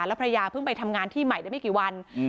แล้วภรรยาเพิ่งไปทำงานที่ใหม่ได้ไม่กี่วัน